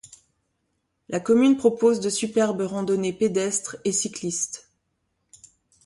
La commune propose de superbes randonnées pédestres et cyclistes.